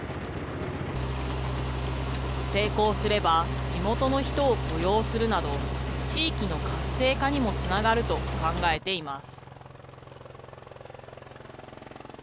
成功すれば地元の人を雇用するなど、地域の活性化にもつながると考えています。